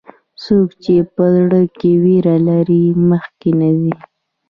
څوک چې په زړه کې ویره لري، مخکې نه ځي.